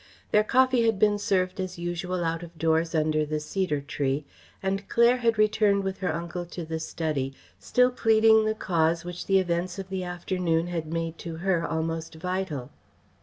Their coffee had been served as usual out of doors under the cedar tree and Claire had returned with her uncle to the study, still pleading the cause which the events of the afternoon had made to her almost vital.